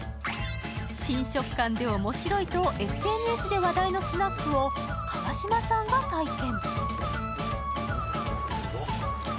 新食感で面白いとＳＮＳで話題のスナックを川島さんが体験。